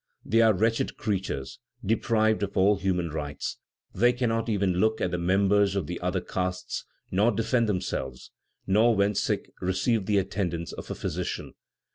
They are wretched creatures, deprived of all human rights; they cannot even look at the members of the other castes, nor defend themselves, nor, when sick, receive the attendance of a physician.